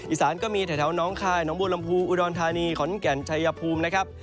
อีสานก็มีแถวน้องคายหนองบัวลำพูอุดรธานีขอนแก่นชัยภูมินะครับ